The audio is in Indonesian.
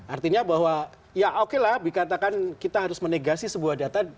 artinya bahwa ya oke lah dikatakan kita harus menegasi sebuah data